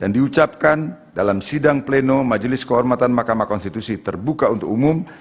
dan diucapkan dalam sidang pleno majelis kehormatan makamah konstitusi terbuka untuk umum